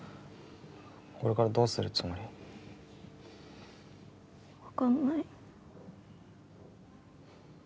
これからどうするつもり？分かんない。